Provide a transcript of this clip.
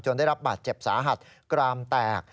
จนได้รับบัตรเจ็บสาหัดกรามแตก